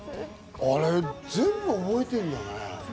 あれ、全部覚えてるんだね。